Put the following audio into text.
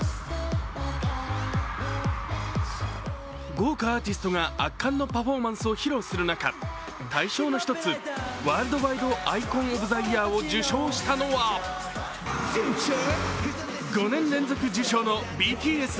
豪華アーティストが圧巻のパフォーマンスを披露する中、大賞の一つ、ＷｏｒｌｄＩｃｏｎｏｆｔｈｅＹｅａｒを受賞したのは５年連続受賞のＢＴＳ。